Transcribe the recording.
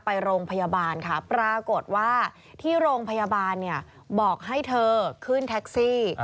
ไปโรงพยาบาลค่ะปรากฏว่าที่โรงพยาบาลเนี่ยบอกให้เธอขึ้นแท็กซี่